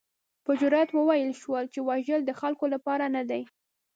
په جرات وویل شول چې وژل د خلکو لپاره نه دي.